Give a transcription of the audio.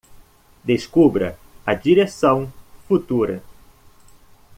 Descubra a direção futura